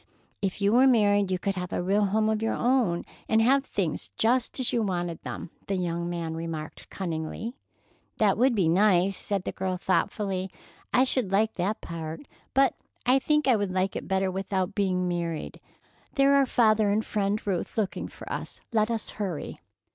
"If you were married, you could have a real home of your own, and have things just as you wanted them," the young man remarked cunningly. "That would be nice," said the girl thoughtfully. "I should like that part, but I think I would like it better without being married. There are father and Friend Ruth looking for us. Let us hurry."